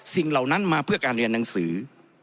เหล่านั้นมาเพื่อการเรียนหนังสือ